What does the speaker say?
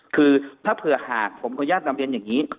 คือถ้าเผื่อหากผมขออนุญาตนำเรียนอย่างนี้